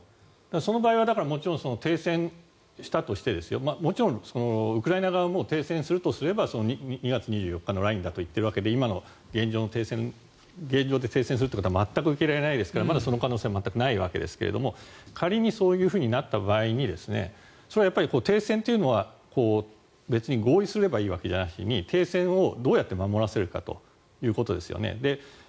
その場合は停戦したとしてもちろん、ウクライナ側も停戦するとすれば２月２４日のラインだと言っているわけで今の現状で停戦するということは全く受け入れられないですからまだその可能性は全くないわけですが仮にそういうふうになった場合にそれはやっぱり停戦というのは別に合意すればいいわけじゃなしに停戦をどうやって守らせるかということですよね。